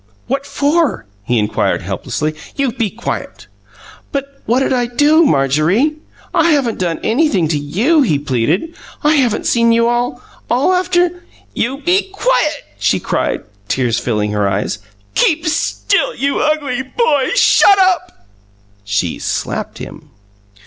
"What for?" he inquired, helplessly. "You be quiet!" "But what'd I do, Marjorie? I haven't done anything to you," he pleaded. "I haven't even seen you, all aftern " "You be quiet!" she cried, tears filling her eyes. "Keep still! You ugly boy! Shut up!" She slapped him.